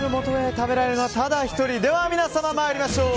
食べられるのはただ１人では皆様、参りましょう！